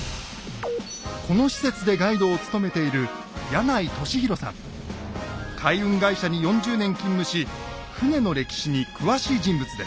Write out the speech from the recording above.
この施設でガイドを務めている海運会社に４０年勤務し船の歴史に詳しい人物です。